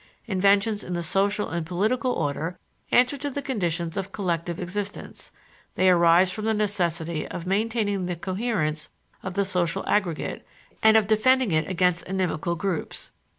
Inventions in the social and political order answer to the conditions of collective existence; they arise from the necessity of maintaining the coherence of the social aggregate and of defending it against inimical groups.